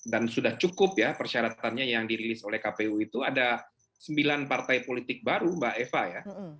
dan sudah cukup ya persyaratannya yang dirilis oleh kpu itu ada sembilan partai politik baru mbak eva ya